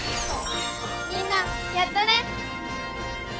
みんなやったね！